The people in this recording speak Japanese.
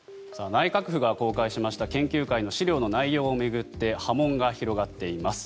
内閣府が公開しました研究会の資料の内容を巡って波紋が広がっています。